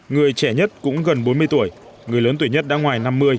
người trẻ nhất cũng gần bốn mươi tuổi người lớn tuổi nhất đã ngoài năm mươi